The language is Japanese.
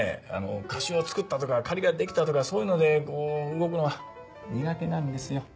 貸しをつくったとか借りができたとかそういうのでこう動くのは苦手なんですよ。